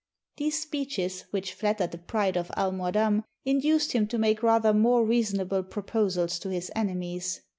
These speeches, which flattered the pride of Almoadam, induced him to make rather more reasonable proposals to his enemies.